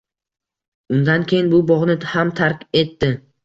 Undan keyin bu bog’ni ham tark etdi.